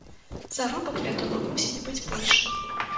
Заробак, вядома, мусіць быць большы.